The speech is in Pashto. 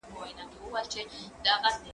زه اوس د کتابتوننۍ سره مرسته کوم؟!